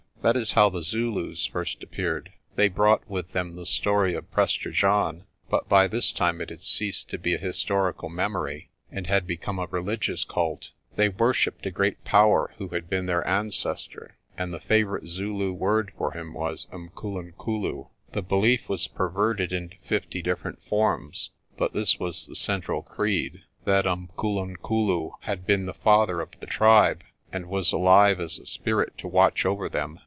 That is how the Zulus first appeared. They brought with them the story of Prester John, but by this time it had ceased to be a historical memory, and had become a religious cult. They worshipped a great Power who had been their ancestor, and the favourite Zulu word for him was Umkulunkulu. The belief was perverted into fifty different forms, but this was the central creed that Umkulunkulu had been the father of the tribe, and was alive as a spirit to watch over them.